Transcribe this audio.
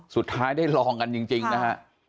สุดท้ายได้ลองกันจริงนะฮะ